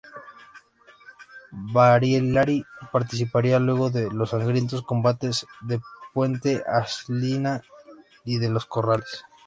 Barilari participaría luego de los sangrientos combates de Puente Alsina y de los Corrales.